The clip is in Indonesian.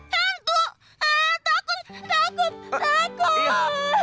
tentu takut takut takut